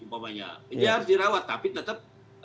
dia harus dirawat tapi tetap